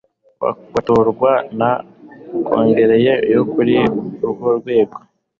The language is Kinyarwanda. batorwa na kongere yo kuri urwo rwego